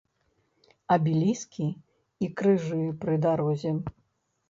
Абеліскі і крыжы пры дарозе.